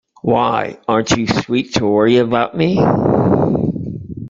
Why, aren't you sweet to worry about me!